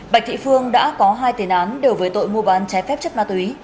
bạch thị phương đã có hai tiền án đều với tội mua bán trái phép chất ma túy